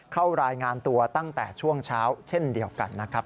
เข้ารายงานตัวตั้งแต่ช่วงเช้าเช่นเดียวกันนะครับ